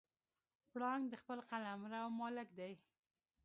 پړانګ د خپل قلمرو مالک دی.